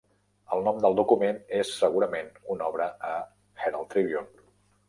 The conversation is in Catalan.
El nom del document és segurament una obra a "Herald Tribune".